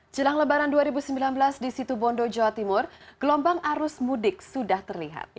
jelang lebaran dua ribu sembilan belas di situ bondo jawa timur gelombang arus mudik sudah terlihat